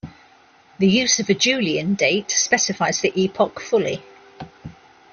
The use of a Julian Date specifies the epoch fully.